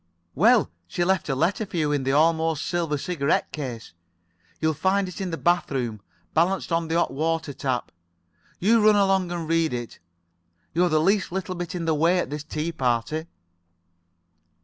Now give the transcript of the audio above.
"Well, she's left a letter for you in your almost silver cigarette case. You'll find it in the bath room, balanced on the hot water tap. You run along and read it. You're the least little bit in the way at this tea party."